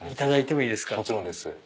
もちろんです。